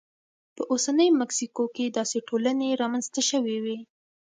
په اوسنۍ مکسیکو کې داسې ټولنې رامنځته شوې وې